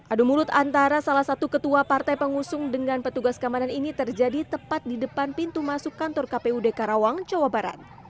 adu mulut antara salah satu ketua partai pengusung dengan petugas keamanan ini terjadi tepat di depan pintu masuk kantor kpud karawang jawa barat